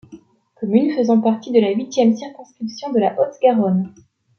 Commune faisant partie de la Huitième circonscription de la Haute-Garonne.